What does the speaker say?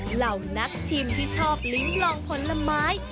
เหล่านักชิมที่ชอบลิ้มลองผลไม้